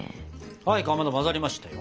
はいかまど混ざりましたよ。